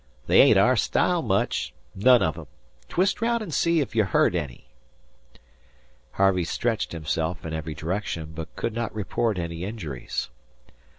"They ain't our style much none of 'em. Twist round an' see if you're hurt any." Harvey stretched himself in every direction, but could not report any injuries.